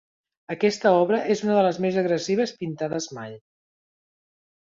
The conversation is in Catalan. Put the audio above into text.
Aquesta obra és una de les més agressives pintades mai.